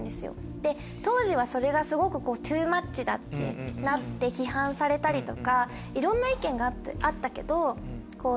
で当時はそれがすごくトゥーマッチだってなって批判されたりとかいろんな意見があったけど。